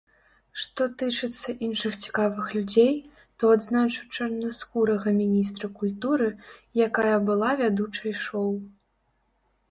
Што тычыцца іншых цікавых людзей, то адзначу чарнаскурага міністра культуры, якая была вядучай шоу.